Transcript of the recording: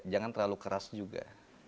jangan terlalu keras juga